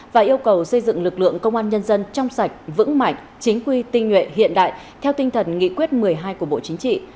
và yêu cầu xây dựng lực lượng công an nhân dân trong sạch vững mạnh chính quy tinh nhuệ hiện đại theo tinh thần nghị quyết một mươi hai của bộ chính trị